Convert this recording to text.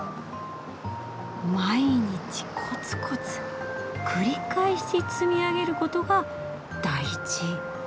毎日コツコツ繰り返し積み上げることが大事。